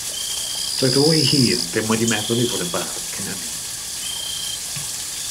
Doedd o ei hun ddim wedi meddwl i fod yn fardd cyn hynny.